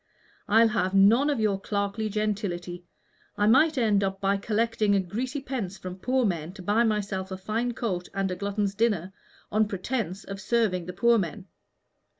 I'll have none of your clerkly gentility. I might end by collecting greasy pence from poor men to buy myself a fine coat and a glutton's dinner, on pretence of serving the poor men.